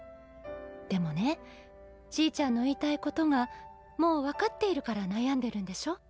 でもねちぃちゃんの言いたいことがもう分かっているから悩んでるんでしょ？